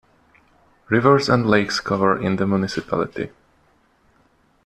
Rivers and lakes cover in the municipality.